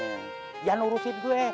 jangan urusin gue